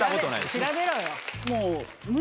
調べろよ。